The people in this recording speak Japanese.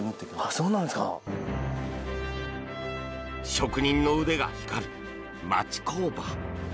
職人の腕が光る町工場。